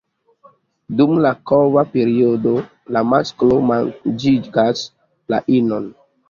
Dum la kova periodo, la masklo manĝigas la inon.